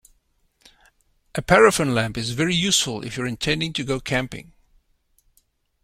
A paraffin lamp is very useful if you're intending to go camping